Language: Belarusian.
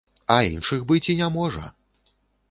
А іншых быць і не можа.